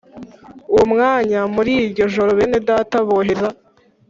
Uwo mwanya muri iryo joro bene Data bohereza